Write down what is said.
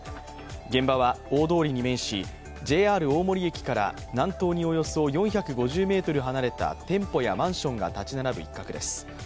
現場は大通りに面しＪＲ大森駅から南東におよそ４５０ｍ離れた店舗やマンションが立ち並ぶ一角です。